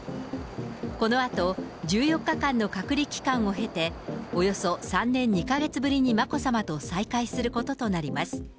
このあと、１４日間の隔離期間を経て、およそ３年２か月ぶりに眞子さまと再会することとなります。